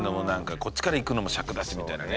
こっちからいくのもシャクだしみたいなね。